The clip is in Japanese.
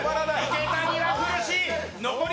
池谷は苦しい。